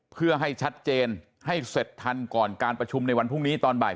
เพื่อให้ชัดเจนให้เสร็จทันก่อนการประชุมในวันพรุ่งนี้ตอนบ่าย